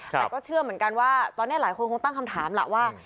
แต่ก็เชื่อเหมือนกันว่าตอนนี้หลายคนคงตั้งคำถามล่ะว่า